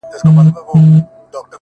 • زما توجه ور واړوله ,